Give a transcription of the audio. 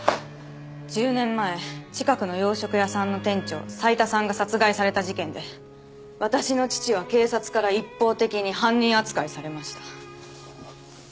１０年前近くの洋食屋さんの店長斉田さんが殺害された事件で私の父は警察から一方的に犯人扱いされました。